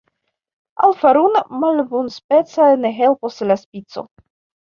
Al farun' malbonspeca ne helpos la spico.